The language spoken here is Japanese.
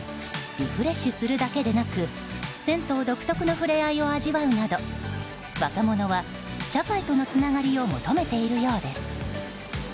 リフレッシュするだけでなく銭湯独特の触れ合いを味わうなど若者は社会とのつながりを求めているようです。